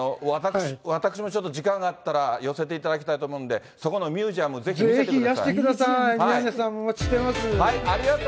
私もちょっと時間があったら寄せていただきたいと思うんで、そこのミュージアム、ぜひ見せてください。